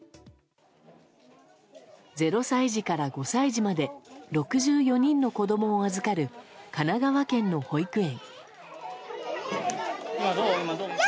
０歳児から５歳児まで６４人の子供を預かる神奈川県の保育園。